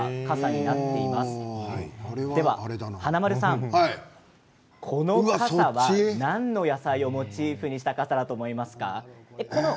黄色い方は何の野菜をモチーフにした傘だと思いますか？